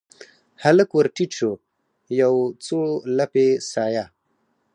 هلک ورټیټ شو یو، څو لپې سایه